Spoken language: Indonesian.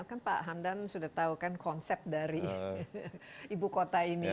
kan pak hamdan sudah tahu kan konsep dari ibu kota ini